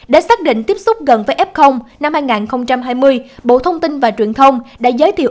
để xác định tiếp xúc gần với f năm hai nghìn hai mươi bộ thông tin và truyền thông đã giới thiệu